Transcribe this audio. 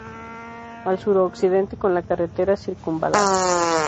Al suroccidente con la carretera Circunvalar.